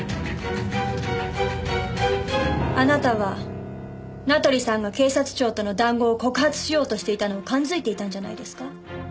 あなたは名取さんが警察庁との談合を告発しようとしていたのを勘づいていたんじゃないですか？